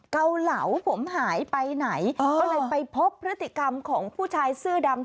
เกาเหลาผมหายไปไหนก็เลยไปพบพฤติกรรมของผู้ชายเสื้อดำ